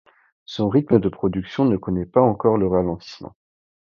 Son rythme de production ne connaît pas encore le ralentissement.